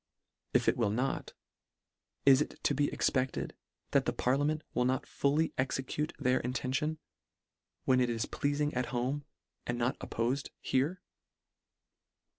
If it will not, is it to be expected, that the parliament will not fully execute their intention, when it is pleafing at home, and not oppofed here